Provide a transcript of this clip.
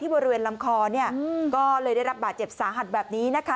บริเวณลำคอเนี่ยก็เลยได้รับบาดเจ็บสาหัสแบบนี้นะคะ